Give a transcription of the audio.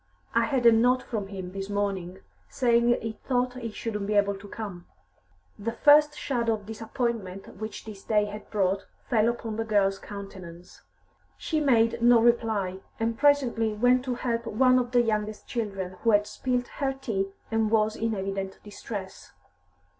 "I had a note from him this morning, saying he thought he shouldn't be able to come." The first shadow of disappointment which this day had brought fell upon the girl's countenance. She made no reply, and presently went to help one or the youngest children, who had spilt her tea and was in evident distress.